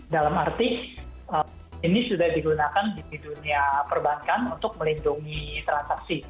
dalam arti ini sudah digunakan di dunia perbankan untuk melindungi transaksi